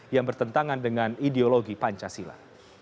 yang bertentangan dengan ideologi pancasila